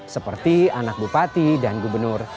seperti anak bupati dan gubernur